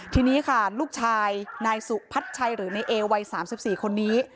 ทีนี้ค่ะลูกชายนายสุพัชชัยหรือนายเอวัยสามสิบสี่คนนี้